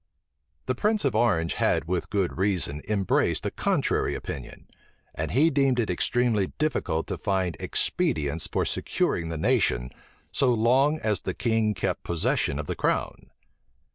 The prince of Orange had with good reason embraced a contrary opinion; and he deemed it extremely difficult to find expedients for securing the nation, so long as the king kept possession of the crown.